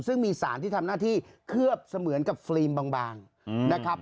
ซึ่งมีสารที่ทำหน้าที่เคลือบเสมือนกับฟิล์มบางนะครับ